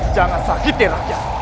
jangan sakiti rakyat